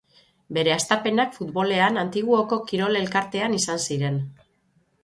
Bere hastapenak futbolean Antiguoko Kirol Elkartean izan ziren.